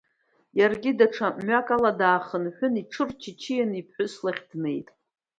Иаргьы даҽа мҩакала даахынҳәын, иҽырччианы иԥҳәыс лахь днеит.